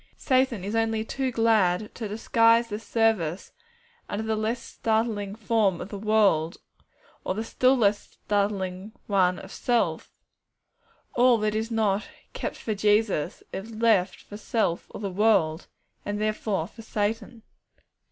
And Satan is only too glad to disguise this service under the less startling form of the world, or the still less startling one of self. All that is not 'kept for Jesus,' is left for self or the world, and therefore for Satan.